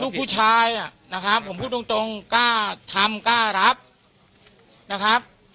ลูกผู้ชายนะครับผมพูดตรงตรงกล้าทำกล้ารับนะครับ